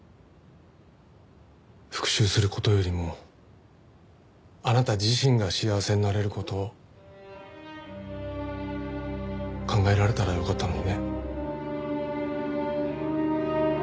復讐する事よりもあなた自身が幸せになれる事を考えられたらよかったのにね。